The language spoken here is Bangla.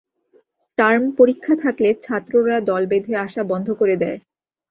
টার্ম পরীক্ষা থাকলে ছাত্ররা দল বেঁধে আসা বন্ধ করে দেয়।